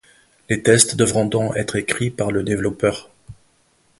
Les tests devront donc être écrits par le développeur.